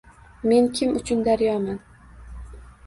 Men kim uchun daryoman